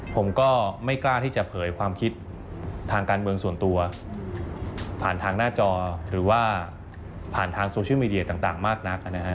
ผมก็ไม่กล้าที่จะเผยความคิดทางการเมืองส่วนตัวผ่านทางหน้าจอหรือว่าผ่านทางโซเชียลมีเดียต่างมากนักนะฮะ